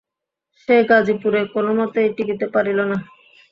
সে গাজিপুরে কোনোমতেই টিকিতে পারিল না।